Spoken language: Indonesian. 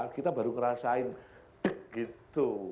kita baru ngerasain gitu